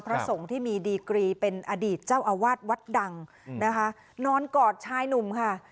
พระสงฆ์ที่มีดีกรีเป็นอดีตเจ้าอาวาสวัดดังนะคะนอนกอดชายหนุ่มค่ะ